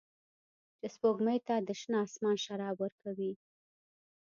چې سپوږمۍ ته د شنه اسمان شراب ورکوي